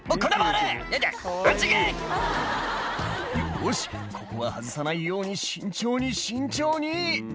「よしここは外さないように慎重に慎重に」